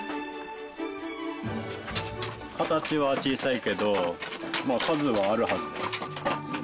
形は小さいけど数はあるはずです。